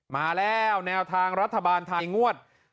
มาแล้วแนวทางรัฐบาลไทยงวด